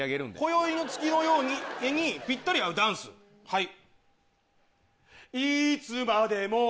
『今宵の月のように』にぴったり合うダンスはい。